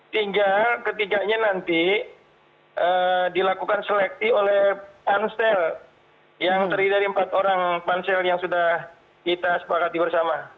tinggal ketiganya nanti dilakukan seleksi oleh pansel yang terdiri dari empat orang pansel yang sudah kita sepakati bersama